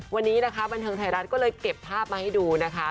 วันนี้นะคะบันเทิงไทยรัฐก็เลยเก็บภาพมาให้ดูนะคะ